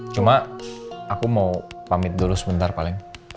cuma aku mau pamit dulu sebentar paling